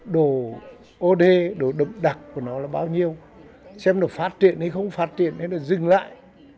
đồ od đồ độc đặc của nó là bao nhiêu xem nó phát triển hay không phát triển hay nó dừng lại